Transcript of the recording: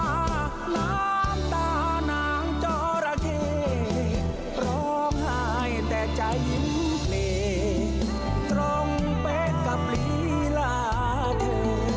น้ำตานางเจ้าระเครอบหายแต่ใจยิ้มเพลตรงเป็นกับลีลาเด้อ